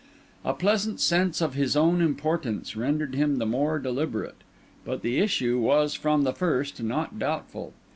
A pleasant sense of his own importance rendered him the more deliberate: but the issue was from the first not doubtful.